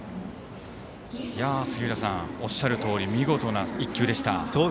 杉浦さんおっしゃるとおり見事な１球でした。